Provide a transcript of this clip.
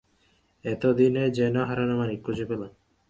এতদিনে যেন হারানো মানিক খুঁজে পেলাম।